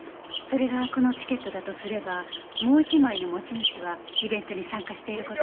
それがこのチケットだとすればもう一枚の持ち主はイベントに参加している事になるわね。